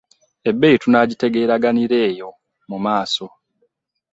Ebbeeyi tunaagitegeeraganira eyo mu maaso.